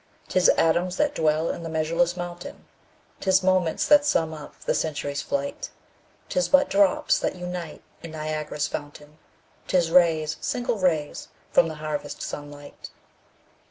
'Tis atoms that dwell in the measureless mountain, 'Tis moments that sum up the century's flight; 'Tis but drops that unite in Niagara's fountain, 'Tis rays, single rays, from the harvest sun light.